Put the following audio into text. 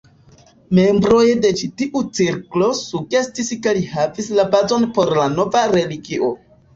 Membroj de ĉi tiu cirklo sugestis ke li havis la bazon por nova religio.